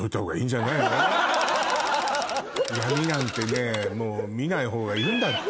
闇なんてねもう見ない方がいいんだって。